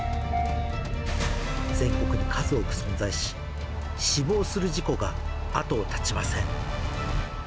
全国に数多く存在し、死亡する事故が後を絶ちません。